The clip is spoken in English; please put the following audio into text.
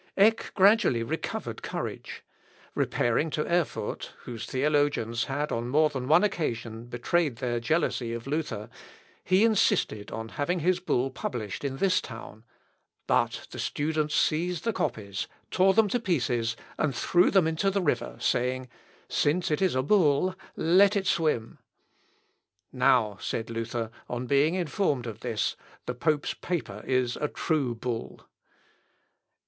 Eck gradually recovered courage. Repairing to Erfurt, whose theologians had on more than one occasion betrayed their jealousy of Luther, he insisted on having his bull published in this town, but the students seized the copies, tore them to pieces, and threw them into the river, saying, "since it is a bull, let it swim." "Now," said Luther, on being informed of this, "the pope's paper is a true bull."